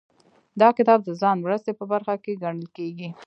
دا کتاب د ځان مرستې په برخه کې ګڼل کیږي.